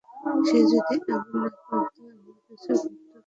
সে যদি এমন না করত এমন কিছুই ঘটত না।